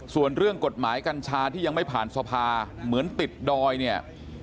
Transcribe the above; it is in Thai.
ส่วนเรื่องกฎหมายกัญชาที่ยังไม่ผ่านสภาเหมือนติดดอยเนี่ย